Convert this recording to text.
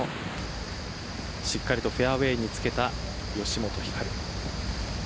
しっかりとフェアウェイにつけた吉本ひかる。